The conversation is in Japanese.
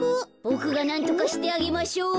ボクがなんとかしてあげましょう。